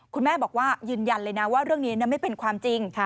คุณแม่บอกว่ายืนยันเลยนะว่าเรื่องนี้ไม่เป็นความจริง